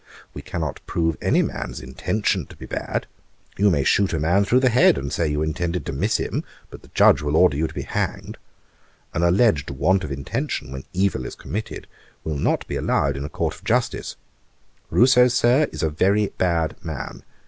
We cannot prove any man's intention to be bad. You may shoot a man through the head, and say you intended to miss him; but the Judge will order you to be hanged. An alleged want of intention, when evil is committed, will not be allowed in a court of justice. Rousseau, Sir, is a very bad man.